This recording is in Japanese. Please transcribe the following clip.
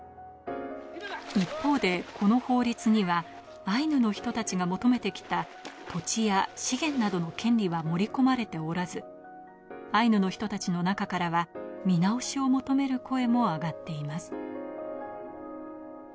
一方で、この法律にはアイヌの人たちが求めてきた土地や資源などの権利は盛り込まれておらず、アイヌの人たちの中からは見直しを求める声も上がっています。